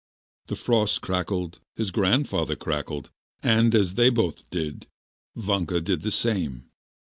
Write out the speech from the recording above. The frost crackled, his grandfather crackled, and as they both did, Vanka did the same.